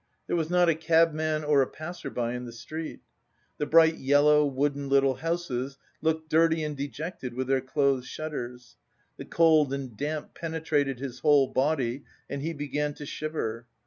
There was not a cabman or a passer by in the street. The bright yellow, wooden, little houses looked dirty and dejected with their closed shutters. The cold and damp penetrated his whole body and he began to shiver.